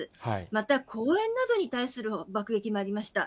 また、公園などに対する爆撃もありました。